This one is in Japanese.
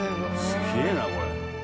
すげぇなこれ。